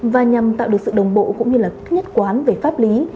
và nhằm tạo được sự đồng bộ cũng như là nhất quán về pháp lý